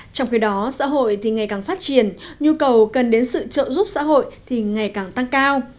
trong khi đó xã hội thì ngày càng phát triển nhu cầu cần đến sự trợ giúp xã hội thì ngày càng tăng cao